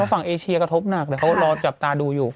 ฝั่งเอเชียกระทบหนักแต่เขารอจับตาดูอยู่